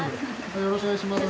よろしくお願いします。